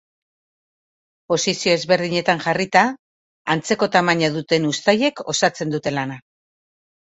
Posizio ezberdinetan jarrita, antzeko tamaina duten uztaiek osatzen dute lana.